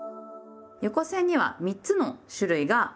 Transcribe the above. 横線には３つの種類があります。